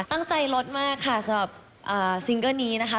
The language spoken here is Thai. ตั้งใจลดมากค่ะสำหรับซิงเกิ้ลนี้นะคะ